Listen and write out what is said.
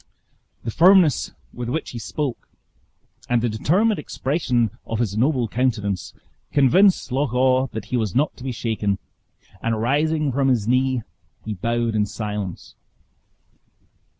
The firmness with which he spoke, and the determined expression of his noble countenance, convinced Loch awe that he was not to be shaken; and rising from his knee, he bowed in silence.